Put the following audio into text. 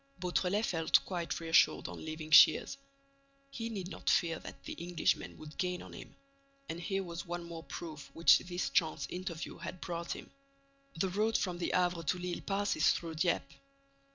Beautrelet felt quite reassured on leaving Shears: he need not fear that the Englishman would gain on him. And here was one more proof which this chance interview had brought him: the road from the Havre to Lille passes through Dieppe!